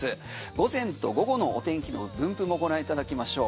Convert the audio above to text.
午前と午後のお天気の分布をご覧いただきましょう。